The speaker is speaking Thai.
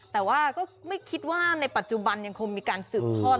แต่ว่าก็ไม่คิดว่าในปัจจุบันยังคงมีการสืบทอด